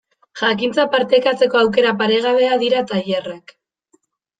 Jakintza partekatzeko aukera paregabea dira tailerrak.